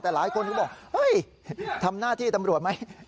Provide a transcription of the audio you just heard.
แต่หลายคนก็บอกเฮ้ยทำหน้าที่ตำรวจไหม